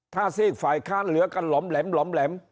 ถ้าเสียงฝ่ายค้านเหลือกันหล่อมแหลมหล่อมแหลม